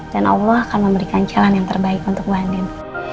dan allah akan memberikan jalan yang terbaik untuk bu andin